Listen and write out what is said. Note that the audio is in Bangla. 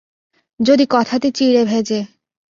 যদি কথাতে চিড়ে ভেজে।